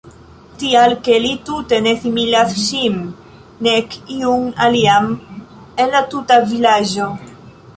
Tial, ke li tute ne similas ŝin, nek iun alian en la tuta vilaĝo.